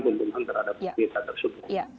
pengenangan terhadap pendeta tersebut